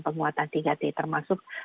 penguatan tiga t termasuk